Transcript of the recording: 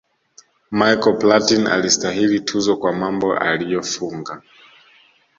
michael platin alistahili tuzo kwa mambo aliyofunga